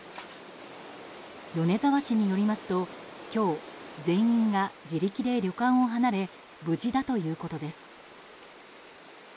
米沢市によりますと今日、全員が自力で旅館を離れ無事だということです。